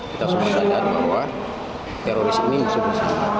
kita semua sadar bahwa teroris ini masih bersama